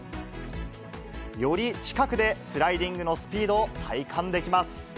より近くでスライディングのスピードを体感できます。